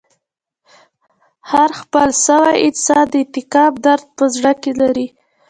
هر خپل سوی انسان د انتقام درد په زړه کښي لري.